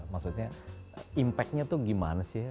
maksudnya impact nya itu gimana sih ya